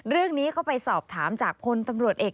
เรื่องนี้ก็ไปสอบถามจากพลตำรวจเอก